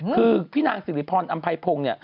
คือพี่นางศิริพรอัมภัยพรุง